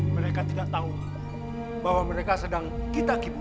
mereka tidak tahu bahwa mereka sedang kita kipu